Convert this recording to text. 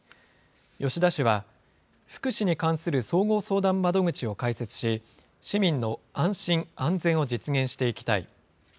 吉田氏は、福祉に関する総合相談窓口を開設し、市民の安心・安全を実現していきたい。